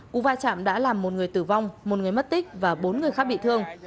cú va chạm đã làm một người tử vong một người mất tích và bốn người khác bị thương